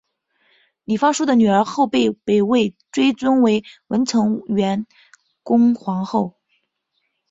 李方叔的女儿后被北魏追尊为文成元恭皇后。